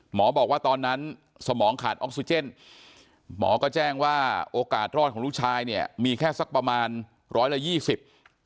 หมอบอกว่าตอนนั้นสมองขาดออกซิเจนหมอก็แจ้งว่าโอกาสรอดของลูกชายเนี่ยมีแค่สักประมาณร้อยละยี่สิบ